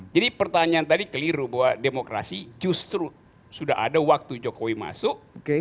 jadi pertanyaan tadi keliru bahwa demokrasi justru sudah ada waktu jokowi masuk